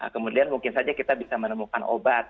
kemudian mungkin saja kita bisa menemukan obat